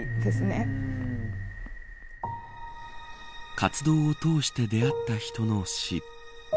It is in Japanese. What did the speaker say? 活動を通して出会った人の死。